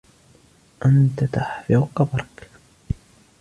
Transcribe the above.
انت تحفر قبرك.